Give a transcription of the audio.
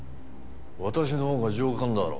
私のほうが上官だろ。